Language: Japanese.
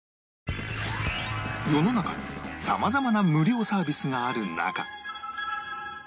世の中に様々な無料サービスがある中